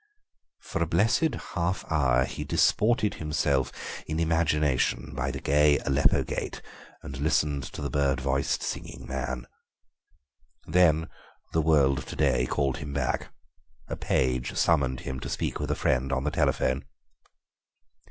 For a blessed half hour he disported himself in imagination by the "gay Aleppo Gate," and listened to the bird voiced singing man. Then the world of to day called him back; a page summoned him to speak with a friend on the telephone.